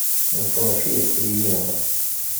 Nekk mačči d akli-inem.